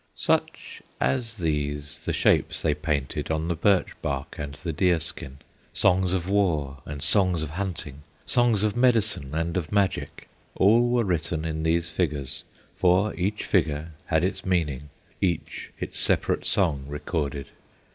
Such as these the shapes they painted On the birch bark and the deer skin; Songs of war and songs of hunting, Songs of medicine and of magic, All were written in these figures, For each figure had its meaning, Each its separate song recorded.